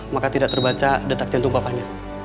maka tidak terbaca detak jantung bapaknya